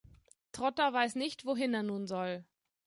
Trotta weiß nicht, wohin er nun soll.